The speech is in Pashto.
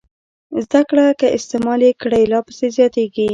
زده کړه که استعمال یې کړئ لا پسې زیاتېږي.